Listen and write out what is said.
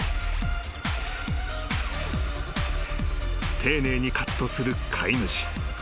［丁寧にカットする飼い主］